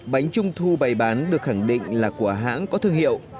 bánh trung thu bày bán được khẳng định là của hãng có thương hiệu